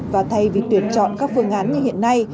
và thay vì tuyển chọn các phương án như hiện nay